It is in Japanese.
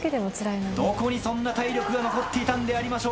どこにそんな体力が残っていたんでありましょうか。